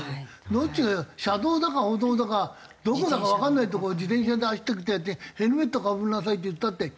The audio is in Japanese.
どっちが車道だか歩道だかどこだかわかんないとこを自転車で走ってきたヤツに「ヘルメットかぶりなさい」って言ったって。